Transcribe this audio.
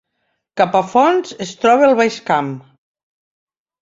Capafonts es troba al Baix Camp